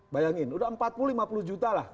bayangin udah empat puluh lima puluh juta lah